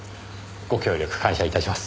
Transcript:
ご協力感謝いたします。